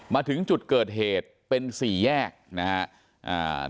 มาถึงจุดเกิดเหตุเป็นสี่แยกนะครับ